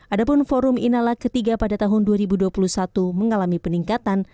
adapun forum inalak ketiga pada tahun dua ribu dua puluh satu mengalami peningkatan